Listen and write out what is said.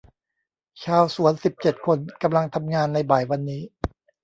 ชาวสวนสิบเจ็ดคนกำลังทำงานในบ่ายวันนี้